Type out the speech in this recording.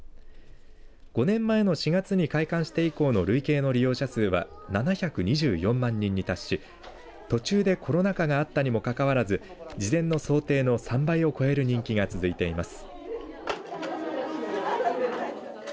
５年前の４月に開館して以降の累計の利用者数は７２４万人に達し途中でコロナ禍があったにもかかわらず事前の想定の３倍を超える人気が続いています。